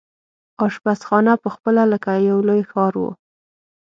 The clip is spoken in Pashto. اشپزخانه پخپله لکه یو لوی ښار وو.